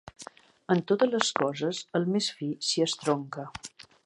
En totes les coses el més fi s'hi estronca.